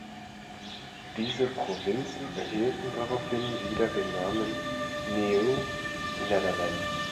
Diese Provinzen erhielten daraufhin wieder den Namen "Nieuw Nederland".